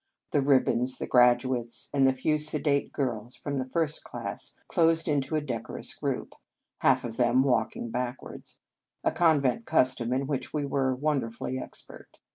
The ribbons, the gradu ates, and a few sedate girls from the first class closed into a decorous group, half of them walking backwards, a convent custom in which we were wonderfully expert.